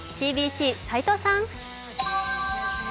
ＣＢＣ斉藤さん。